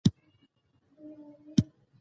موته او تبوک په نامه جګړې شوي.